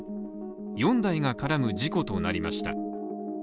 ４台が絡む事故となりました。